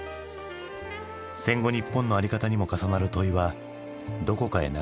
戦後日本の在り方にも重なる問いはどこかへ流されたかのようだ。